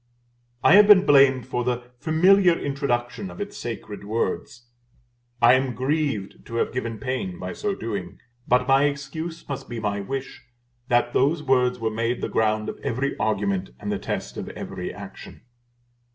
I have been blamed for the familiar introduction of its sacred words. I am grieved to have given pain by so doing; but my excuse must be my wish that those words were made the ground of every argument and the test of every action.